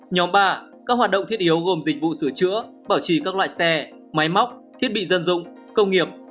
nhóm ba các hoạt động thiết yếu gồm dịch vụ sửa chữa bảo trì các loại xe máy móc thiết bị dân dụng công nghiệp